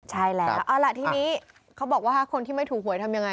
ใช่แล้วเอาล่ะทีนี้เขาบอกว่าคนที่ไม่ถูกหวยทำยังไง